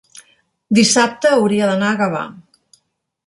dissabte hauria d'anar a Gavà.